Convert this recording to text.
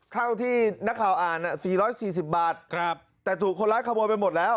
เท่าที่นักข่าวอ่าน๔๔๐บาทแต่ถูกคนร้ายขโมยไปหมดแล้ว